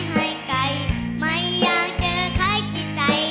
ให้ไก่ไม่อยากเจอใครที่ใจ